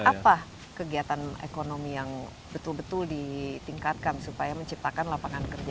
apa kegiatan ekonomi yang betul betul ditingkatkan supaya menciptakan lapangan kerja